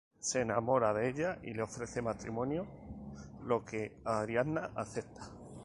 Se enamora de ella y le ofrece matrimonio, lo que Ariadna acepta.